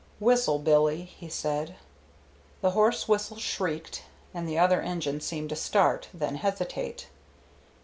"Whistle, Billy," he said. The hoarse whistle shrieked, and the other engine seemed to start, then hesitate.